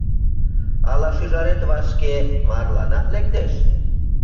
— Ала шӱжарет вашке марланат лектеш?